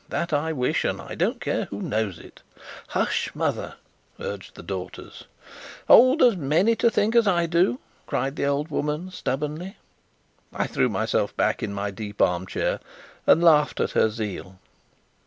That I wish, and I don't care who knows it." "Hush, mother!" urged the daughters. "Oh, there's many to think as I do!" cried the old woman stubbornly. I threw myself back in my deep armchair, and laughed at her zeal.